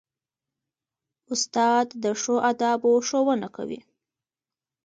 استاد د ښو آدابو ښوونه کوي.